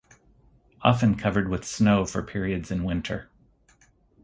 Often covered with snow for periods in winter.